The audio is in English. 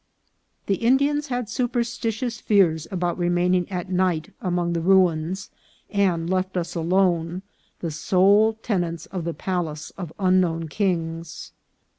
The Indians had superstitious fears about, remaining at night among the ruins, and left us alone, the sole tenants of the palace of unknown kings.